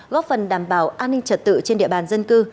góp phần đảm bảo an ninh trật tự trên địa bàn dân cư